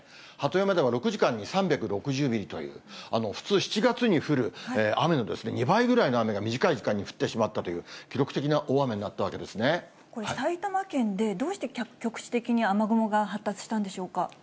鳩山では６時間に３６０ミリという、普通、７月に降る雨の２倍ぐらいの雨が短い時間に降ってしまったという、これ、埼玉県でどうして局地的に雨雲が発達したんでしょうか。